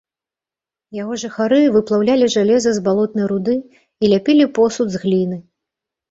Яго жыхары выплаўлялі жалеза з балотнай руды і ляпілі посуд з гліны.